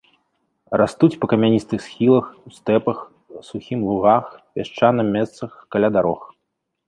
Растуць па камяністых схілах, ў стэпах, сухім лугах, пясчаным месцах, каля дарог.